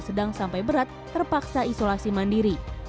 sedang sampai berat terpaksa isolasi mandiri